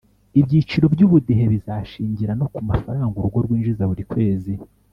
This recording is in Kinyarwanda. ibyiciro by’ubudehe bizashingira no ku mafaranga urugo rwinjiza ku kwezi